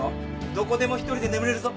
どこでも１人で眠れるぞ。